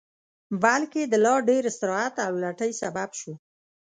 بلکې د لا ډېر استراحت او لټۍ سبب شو